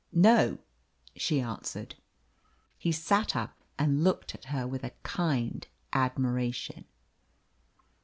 "No," she answered. He sat up and looked at her with a kind admiration.